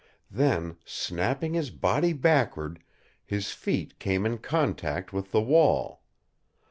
Then, snapping his body backward, his feet came in contact with the wall.